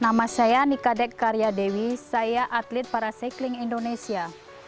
nama saya nikadek karyadewi saya atlet para cycling indonesia